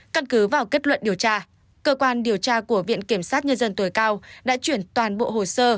căn cứ vào kết luận điều tra cơ quan điều tra của viện kiểm sát nhân dân tối cao đã chuyển toàn bộ hồ sơ